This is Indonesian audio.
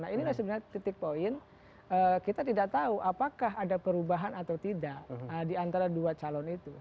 nah inilah sebenarnya titik poin kita tidak tahu apakah ada perubahan atau tidak di antara dua calon itu